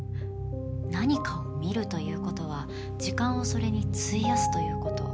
何かを見るということは時間をそれに費やすということ。